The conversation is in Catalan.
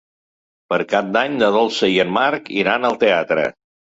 Per Cap d'Any na Dolça i en Marc iran al teatre.